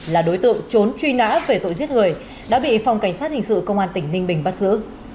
là đối tượng trốn truy nã về tội giết người đã bị phòng cảnh sát hình sự công an tỉnh ninh bình bắt giữ